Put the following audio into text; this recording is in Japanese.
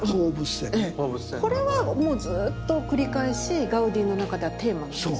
これはもうずっと繰り返しガウディの中ではテーマなんですか？